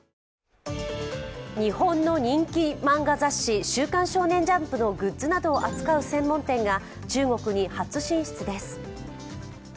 日本の人気漫画雑誌「週刊少年ジャンプ」のグッズなどを扱う専門店が中国に初進出です。